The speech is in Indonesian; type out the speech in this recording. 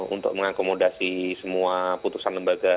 untuk mengakomodasi semua putusan lembaga